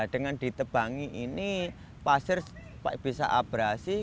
dengan ditebangi ini pasir bisa abrasi